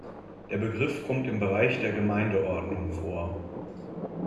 Der Begriff kommt im Bereich der Gemeindeordnung vor.